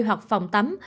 hoặc phòng tắm